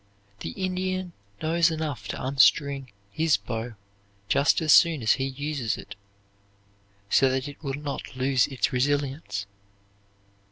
The Indian knows enough to unstring his bow just as soon as he uses it so that it will not lose its resilience.